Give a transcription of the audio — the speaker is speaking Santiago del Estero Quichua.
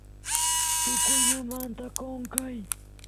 tukuymamnta qonqay